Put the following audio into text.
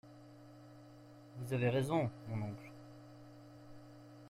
Vous avez raison, mon oncle.